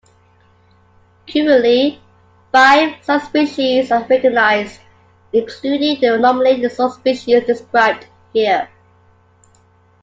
Currently, five subspecies are recognized, including the nominate subspecies described here.